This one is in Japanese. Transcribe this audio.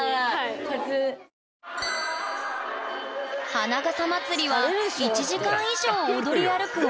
花笠まつりは１時間以上踊り歩くおまつり。